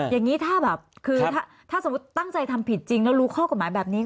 อย่างนี้ถ้าแบบตั้งใจทำผิดจริงแล้วรู้ข้อความหมายแทนแบบนี้ก็